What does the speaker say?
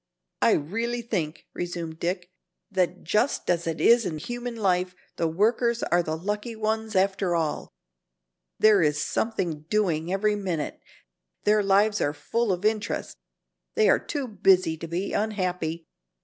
"I really think," resumed Dick, "that just as it is in human life, the workers are the lucky ones after all. There is something doing every minute. Their lives are full of interest. They are too busy to be unhappy.